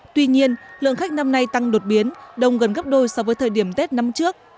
tuy nhiên lượng khách năm nay tăng đột biến đồng gần gấp đôi so với thời điểm tết năm trước